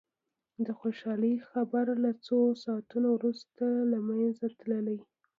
د خوشالي خبر له څو ساعتونو وروسته له منځه تللي.